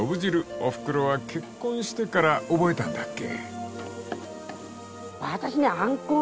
［おふくろは結婚してから覚えたんだっけ？］